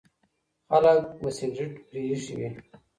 خلک به سګریټ پرېښی وي.